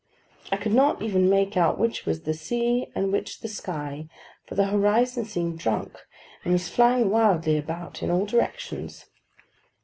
I could not even make out which was the sea, and which the sky, for the horizon seemed drunk, and was flying wildly about in all directions.